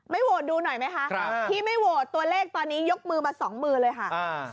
โหวตดูหน่อยไหมคะที่ไม่โหวตตัวเลขตอนนี้ยกมือมาสองมือเลยค่ะ